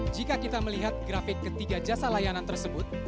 jika kita melihat grafik ketiga jasa layanan tersebut